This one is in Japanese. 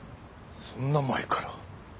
そんな前から。